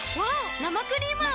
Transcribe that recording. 生クリーム泡。